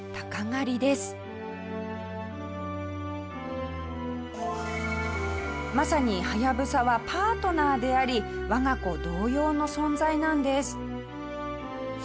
下平：まさに、ハヤブサはパートナーであり我が子同様の存在なんです。